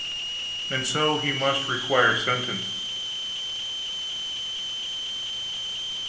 and so he must require sentence.